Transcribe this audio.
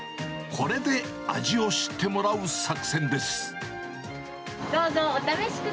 これで味を知ってもらう作戦です。